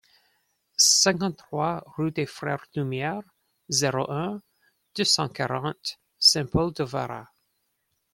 cinquante-trois rue des Frères Lumière, zéro un, deux cent quarante, Saint-Paul-de-Varax